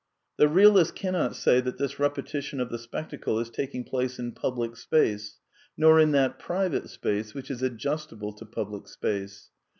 The realist cannot say that this repetition of the spectacle is taking place in public space, nor in that private space which is adjustable to public space.